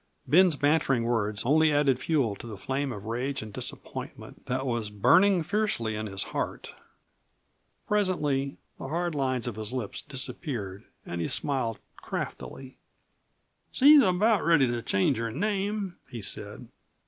Ben's bantering words only added fuel to the flame of rage and disappointment that was burning fiercely in his heart. Presently the hard lines of his lips disappeared and he smiled craftily. "She's about ready to change her name," he said.